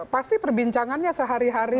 pasti perbincangannya sehari hari